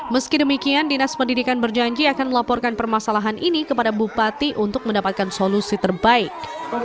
meski demikian dinas pendidikan berjanji akan melaporkan permasalahan ini kepada bupati untuk mendapatkan solusi terbaik